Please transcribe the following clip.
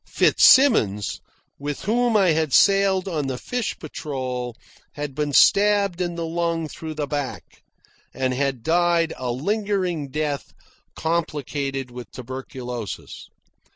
Fitzsimmons, with whom I had sailed on the Fish Patrol, had been stabbed in the lung through the back and had died a lingering death complicated with tuberculosis.